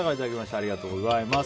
ありがとうございます。